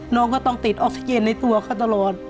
น้องก็ต้องติดออกซิเจนในตัวเขาตลอด